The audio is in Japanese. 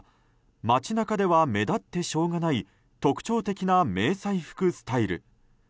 街中では目立ってしょうがない特徴的な迷彩服スタイル。